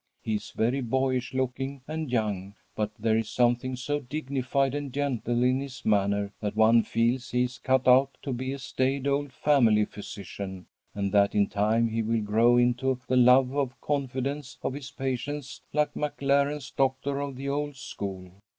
He is very boyish looking and young, but there is something so dignified and gentle in his manner that one feels he is cut out to be a staid old family physician, and that in time he will grow into the love and confidence of his patients like Maclaren's Doctor of the Old School.